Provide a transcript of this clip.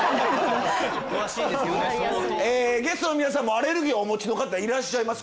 ゲストの皆さんもアレルギーお持ちの方いらっしゃいます？